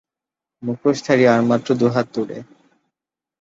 মুখোশধারী আর মাত্র দুহাত দূরে।